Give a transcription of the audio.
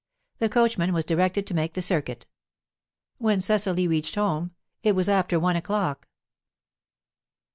The coachman was directed to make the circuit. When Cecily reached home, it was after one o'clock.